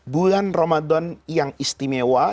bulan ramadan yang istimewa